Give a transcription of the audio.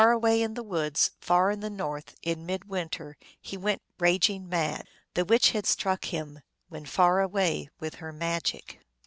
away in the woods, far in the north, in midwinter, lie went raging mad. The witch had struck him, when far away, with her magic.